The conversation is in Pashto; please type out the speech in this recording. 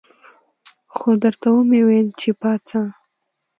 خو درته ومې ویل چې پاڅه.